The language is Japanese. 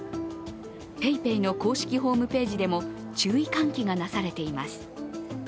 ＰａｙＰａｙの公式ホームページでも注意喚起がなされています。